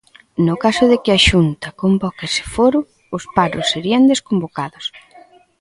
No caso de que a Xunta convoque ese foro, os paros serían desconvocados.